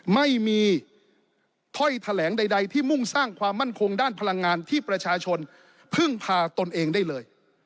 ไม่มีถ้อยแถลงใดที่มุ่งสร้างความมั่นคงด้านพลังงานที่ประชาชนพึ่งพาตนเองได้เลย